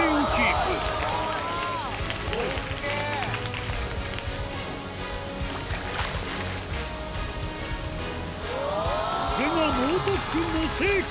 これが猛特訓の成果